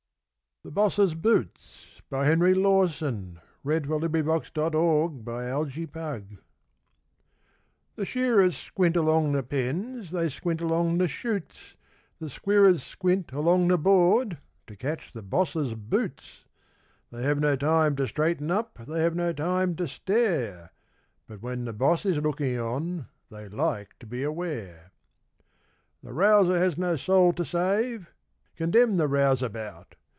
Blazes and Protection, and the Land you're livin' in.' THE BOSS'S BOOTS The shearers squint along the pens, they squint along the 'shoots;' The shearers squint along the board to catch the Boss's boots; They have no time to straighten up, they have no time to stare, But when the Boss is looking on, they like to be aware. _The 'rouser' has no soul to save. Condemn the rouseabout!